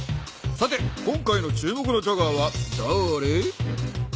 さて今回の注目のチャガーはだれ？